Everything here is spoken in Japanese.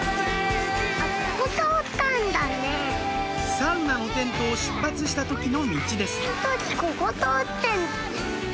サウナのテントを出発した時の道です